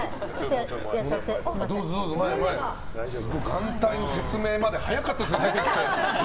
眼帯の説明まで早かったですね。